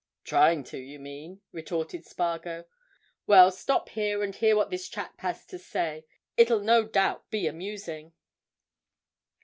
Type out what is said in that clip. "Trying to, you mean," retorted Spargo. "Well, stop here, and hear what this chap has to say: it'll no doubt be amusing."